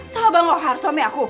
sama bang lohar suami aku